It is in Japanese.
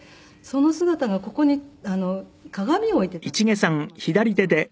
その姿がここに鏡を置いていたんです